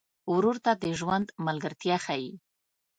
ورور ته د ژوند ملګرتیا ښيي.